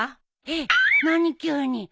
えっ何急に。